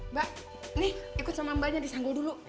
mbak nih ikut sama mbaknya disanggul dulu